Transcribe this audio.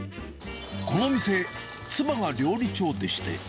この店、妻が料理長でして。